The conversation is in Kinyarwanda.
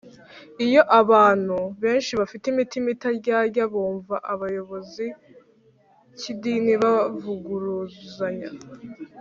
iyo abantu benshi bafite imitima itaryarya bumva abayobozi ba kidini bavuguruzanya